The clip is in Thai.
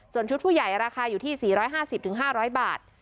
ส่วนชุดผู้ใหญ่ราคาอยู่ที่สี่ร้อยห้าสิบถึงห้าร้อยบาท